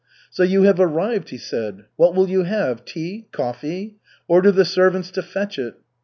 "So you have arrived?" he said. "What will you have, tea, coffee? Order the servants to fetch it."